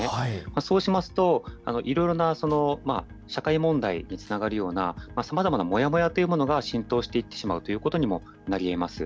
そうしますと、いろいろな社会問題につながるような、さまざまなもやもやというものが浸透していってしまうということにもなりえます。